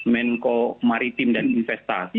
menko maritim dan investasi